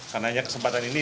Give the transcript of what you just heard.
karena kesempatan ini